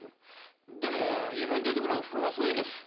でも夢に出てくるおふくろがそう言うんです。